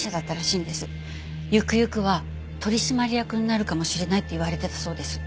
ゆくゆくは取締役になるかもしれないって言われてたそうです。